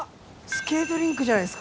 スケートリンクじゃないですかこれ。